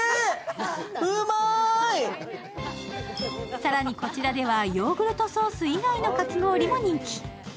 更にこちらではヨーグルトソース以外のかき氷も人気。